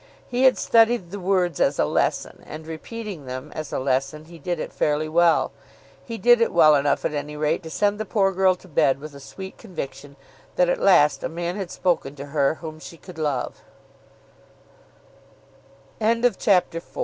He had studied the words as a lesson, and, repeating them as a lesson, he did it fairly well. He did it well enough at any rate to send the poor girl to bed with a sweet conviction that at last a man had spoken